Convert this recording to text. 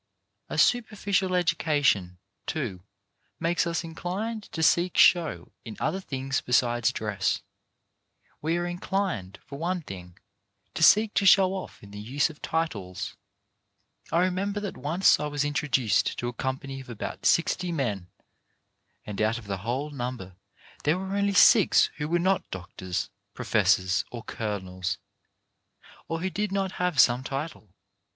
A superficial education, too, makes us inclined to seek show in other things besides dress. We are inclined, for one thing, to seek to show off in the use of titles. I remember that once I was introduced to a company of about sixty men, and out of the whole number there were only six who were not doctors, professors, or colonels, or who did not have some title.